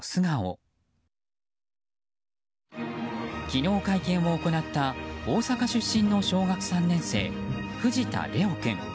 昨日、会見を行った大阪出身の小学３年生藤田怜央君。